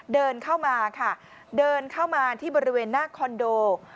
เดินเข้ามาค่ะเดินเข้ามาที่บริเวณหน้าคอนโด